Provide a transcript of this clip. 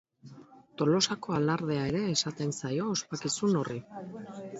Tolosako Alardea ere esaten zaio ospakizun horri.